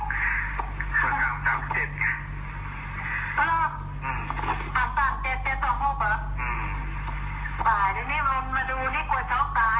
ยืนยันว่ามันเสียงเจรตนาพอร์ตใช่ค่ะแล้วเสียงผู้ชายอ่ะ